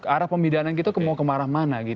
arah pembedaan kita mau ke arah mana gitu